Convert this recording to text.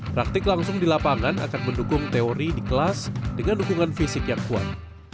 praktik langsung di lapangan akan mendukung teori di kelas dengan dukungan fisik yang kuat